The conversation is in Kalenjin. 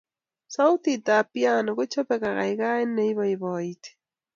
sautit ap piano kochapei kakaikaet neipoipoiti